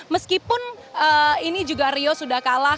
meskipun ini juga rio sudah kalah